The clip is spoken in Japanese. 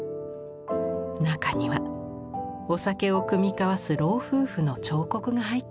中にはお酒を酌み交わす老夫婦の彫刻が入っています。